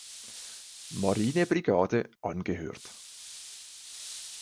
Marinebrigade angehört.